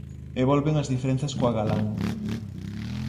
E volven as diferenzas coa Galán.